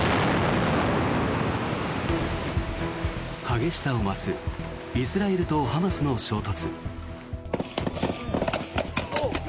激しさを増すイスラエルとハマスの衝突。